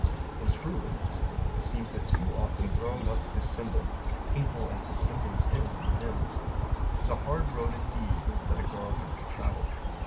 In truth it seems that too often a girl must dissemble hateful as dissemblance in men. T'is a hard road indeed that a girl has to travel.